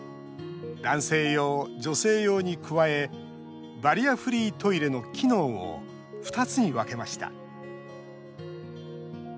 男性用、女性用に加えバリアフリートイレの機能を２つに分けました。